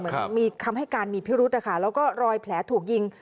เหมือนมีคำให้การมีพิรุธนะคะแล้วก็รอยแผลถูกยิง